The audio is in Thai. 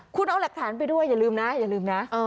คุณเอาหลักฐานไปด้วยอย่าลืมนะอย่าลืมนะ